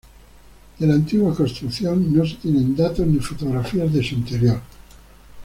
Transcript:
De la antigua construcción no se tienen datos ni fotografías de su interior.